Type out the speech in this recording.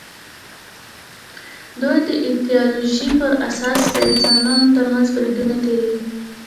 دوی د ایدیالوژۍ پر اساس د انسانانو تر منځ بریدونه تېروي